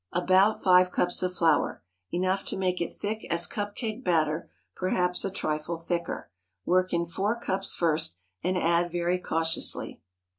About five cups of flour—enough to make it thick as cup cake batter, perhaps a trifle thicker. Work in four cups first, and add very cautiously.